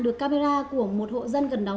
được camera của một hộ dân gần đó